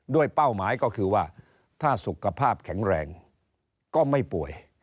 เป้าหมายก็คือว่าถ้าสุขภาพแข็งแรงก็ไม่ป่วย